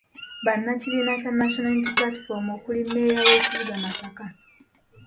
Bannakibiina kya National Unity Platform okuli mmeeya w’ekibuga Masaka.